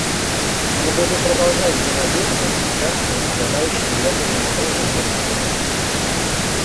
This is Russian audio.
Мы будем продолжать взаимодействовать с государствами, обладающими ядерным оружием, в этом плане.